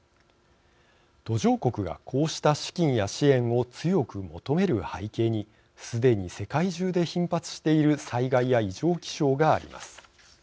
途上国が、こうした資金や支援を強く求める背景にすでに世界中で頻発している災害や異常気象があります。